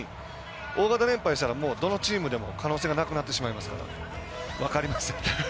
大型連敗したらどのチームでも可能性がなくなってしまいますから分かりません。